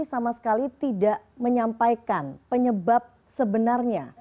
sama sekali tidak menyampaikan penyebab sebenarnya